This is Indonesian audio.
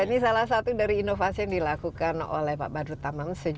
ini salah satu dari inovasi yang dilakukan oleh pak badrut tamam sejak menjelaskan kita